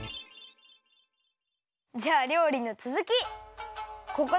じゃありょうりのつづき！